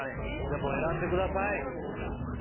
でも選んでください！